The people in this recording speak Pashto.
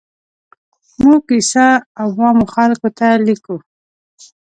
موږ کیسه عوامو خلکو ته لیکو.